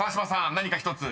何か１つ］